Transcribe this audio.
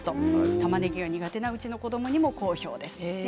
たまねぎ苦手なうちの子どもにも好評です。